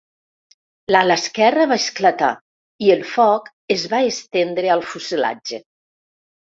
L'ala esquerra va esclatar i el foc es va estendre al fuselatge.